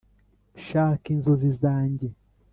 shaka inzozi zanjye!